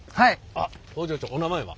あっ工場長お名前は？